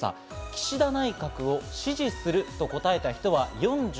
岸田内閣を支持すると答えた人は４５％。